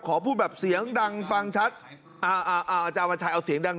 ขอพูดแบบเสียงดังฟังชัดอวัญชัยเอาเสียงดัง